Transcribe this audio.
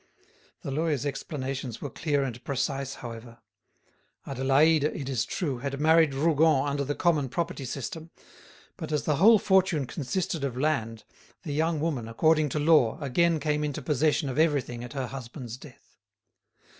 The lawyer's explanations were clear and precise, however; Adélaïde, it is true, had married Rougon under the common property system; but as the whole fortune consisted of land, the young woman, according to law, again came into possession of everything at her husband's death.